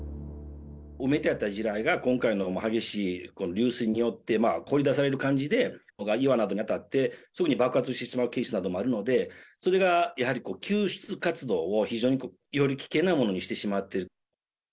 埋めてあった地雷が、今回の激しい流水によって掘り出される感じで、岩などに当たって、すぐに爆発してしまうケースなどもあるので、それがやはり救出活動を非常により危険なものにしてしまっている。